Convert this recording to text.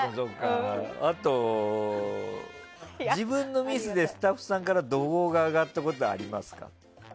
あと、自分のミスでスタッフさんから怒号が上がったことはありますか？